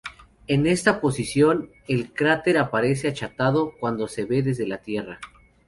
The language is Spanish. En esta posición, el cráter aparece achatado cuando se ve desde la Tierra.